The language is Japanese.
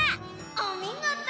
おみごと！